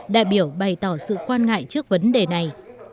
đại biểu bày tỏ sự quan ngại trước vấn đề này